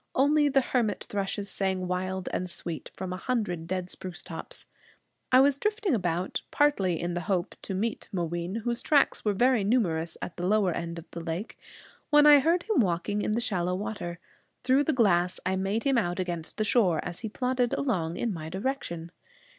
Only the hermit thrushes sang wild and sweet from a hundred dead spruce tops. I was drifting about, partly in the hope to meet Mooween, whose tracks were very numerous at the lower end of the lake, when I heard him walking in the shallow water. Through the glass I made him out against the shore, as he plodded along in my direction.